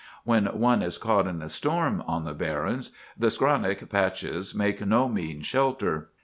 When one is caught in a storm on the barrens, the skronnick patches make no mean shelter.